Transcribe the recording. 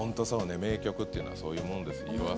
名曲っていうのはそういうもんです。